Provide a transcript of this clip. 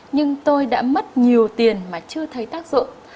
nhưng tôi đã mất nhiều tiền mà chưa thấy tác dụng